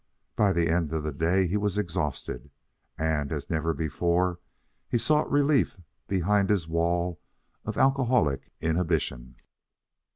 By the end of the day he was exhausted, and, as never before, he sought relief behind his wall of alcoholic inhibition.